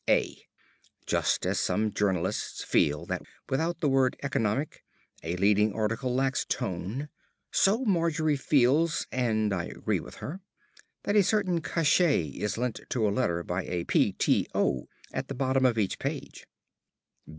(a) Just as some journalists feel that without the word "economic" a leading article lacks tone, so Margery feels, and I agree with her, that a certain cachet is lent to a letter by a p. t. o. at the bottom of each page.